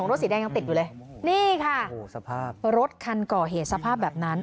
รถสีแดงยังติดอยู่เลยนี่ค่ะโอ้โหสภาพรถคันก่อเหตุสภาพแบบนั้น